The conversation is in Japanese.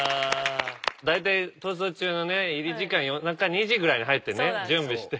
だいたい『逃走中』のね入り時間夜中２時ぐらいに入ってね準備して。